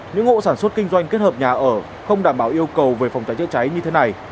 những hộ sản xuất kinh doanh kết hợp nhà ở không đảm bảo yêu cầu về phòng cháy chữa cháy như thế này